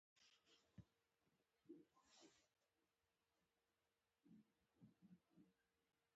که تېروتنه شوې وي ما وبښئ